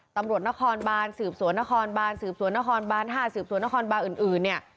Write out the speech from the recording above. ตำรวจนครบานสืบสวนนครบานสืบสวนนครบาน๕สืบสวนนครบานอื่นเนี่ย